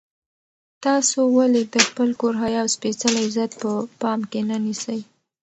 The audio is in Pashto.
تاسو ولې د خپل کور حیا او سپېڅلی عزت په پام کې نه نیسئ؟